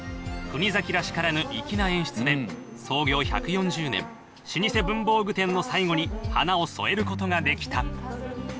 国崎らしからぬ粋な演出で、創業１４０年、老舗文房具店の最後に華を添えることができた。